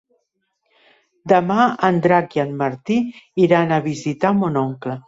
Demà en Drac i en Martí iran a visitar mon oncle.